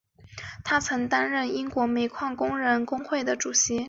他曾经担任英国煤矿工人工会的主席。